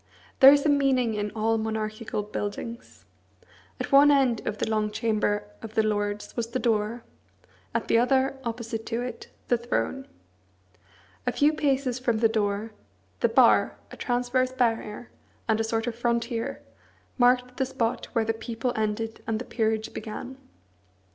There is a meaning in all monarchical buildings. At one end of the long chamber of the Lords was the door; at the other, opposite to it, the throne. A few paces from the door, the bar, a transverse barrier, and a sort of frontier, marked the spot where the people ended and the peerage began.